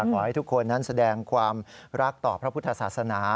ขอให้ทุกคนนั้นแสดงความรักต่อพระพุทธศาสนา